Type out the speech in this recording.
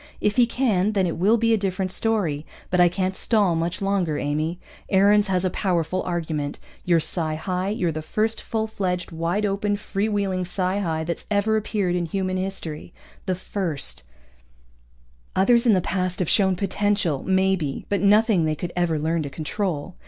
If he can, then it will be a different story. But I can't stall much longer, Amy. Aarons has a powerful argument. You're psi high. You're the first full fledged, wide open, free wheeling psi high that's ever appeared in human history. The first. Others in the past have shown potential, maybe, but nothing they could ever learn to control.